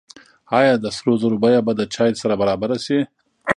آیا د سرو زرو بیه به د چای سره برابره شي؟